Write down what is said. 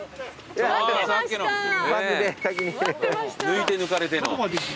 抜いて抜かれての。